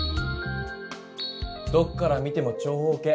どっから見ても長方形。